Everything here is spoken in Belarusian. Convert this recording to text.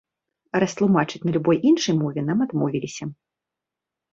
Растлумачыць на любой іншай мове нам адмовіліся.